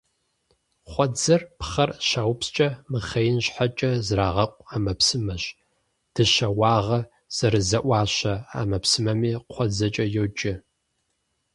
Кхъуэдзэр пхъэр щаупскӀэ мыхъеин щхьэкӀэ зрагъэкъу ӏэмэпсымэщ. Дыщэ уагъэ зэрызэӏуащэ ӏэмэпсымэми кхъуэдзэкӏэ йоджэ.